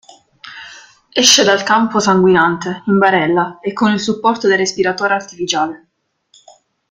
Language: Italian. Esce dal campo sanguinante, in barella e con il supporto del respiratore artificiale.